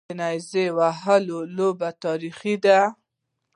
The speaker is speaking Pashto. د نیزه وهلو لوبه تاریخي ده